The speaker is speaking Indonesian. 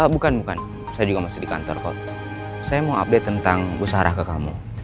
bukan bukan saya juga masih di kantor kok saya mau update tentang busarah ke kamu